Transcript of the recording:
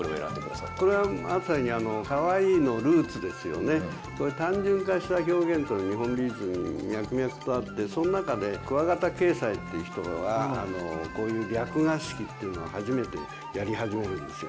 これはまさに単純化した表現日本美術に脈々とあってその中で鍬形斎っていう人はこういう略画式っていうのを初めてやり始めるんですよ。